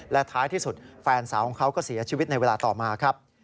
และท้ายที่สุดแฟนสาวของเขาก็เสียชีวิตในเวลาต่อมาครับ